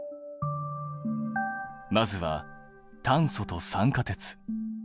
まずは炭素と酸化鉄。